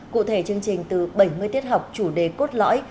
cụ thể chương trình từ bảy mươi tiết học chủ đề cốt lõi